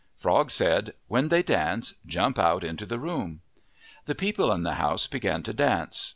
Frog said, " When they dance, jump out into the room." The people in the house began to dance.